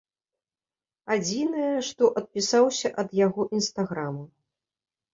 Адзінае, што адпісаўся ад яго інстаграма.